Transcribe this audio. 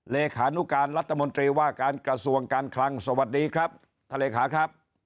เลขานุการรัฐมนตรีว่าการกระทรวงการคลังสวัสดีครับท่านเลขาครับ